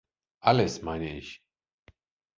Alles, meine ich!